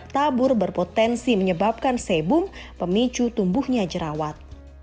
tabur berpotensi menyebabkan sebum pemicu tumbuhnya jerawat